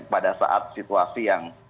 pada saat situasi yang